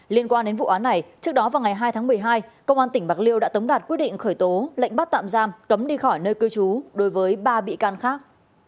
liên quan đến vụ án này trước đó vào ngày hai tháng một mươi hai công an tỉnh bạc liêu đã tống đạt quyết định khởi tố lệnh bắt tạm giam cấm đi khỏi nơi cư trú đối với ba bị can khác